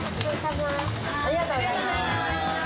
ありがとうございます。